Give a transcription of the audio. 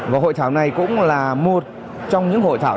và hội thảo này cũng là một trong những hội thảo